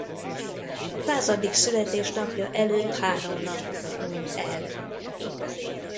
Századik születésnapja előtt három nappal hunyt el.